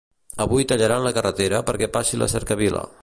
Avui tallaran la carretera perquè passi la cercavila